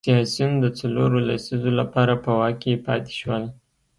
سیاسیون د څلورو لسیزو لپاره په واک کې پاتې شول.